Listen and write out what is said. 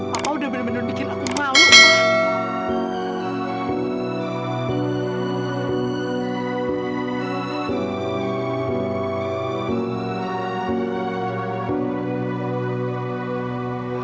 aku sudah benar benar bikin aku maut